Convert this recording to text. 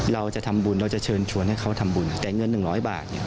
เราจะทำบุญเราจะเชิญชวนให้เขาทำบุญแต่เงิน๑๐๐บาทเนี่ย